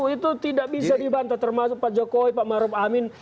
itu tidak bisa dibantah termasuk pak jokowi pak maruf amin